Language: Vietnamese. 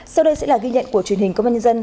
sau đây sẽ là ghi nhận của truyền hình công an nhân dân